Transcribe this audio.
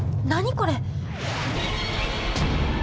これ。